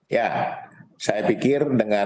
ya saya pikir dengan